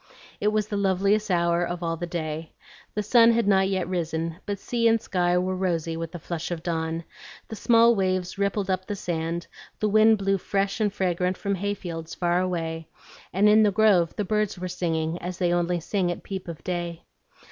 It was the loveliest hour of all the day. The sun had not yet risen, but sea and sky were rosy with the flush of dawn; the small waves rippled up the sand, the wind blew fresh and fragrant from hayfields far away, and in the grove the birds were singing, as they only sing at peep of day.